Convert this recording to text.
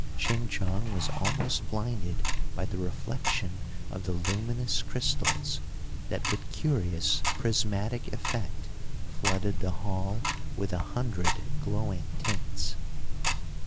Ching Chong was almost blinded by the reflection of the luminous crystals that, with curious prismatic effect, flooded the hall with a hundred glowing tints.